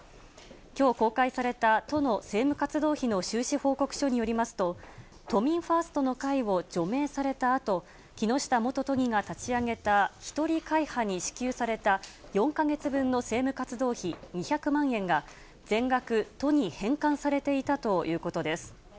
きょう公開された都の政務活動費の収支報告書によりますと、都民ファーストの会を除名されたあと、木下元都議が立ち上げた１人会派に支給された４か月分の政務活動費２００万円が、全額、都に返還されていたということです。